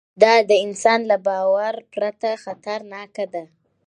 دا د انسان له باور پرته خطرناکه ده.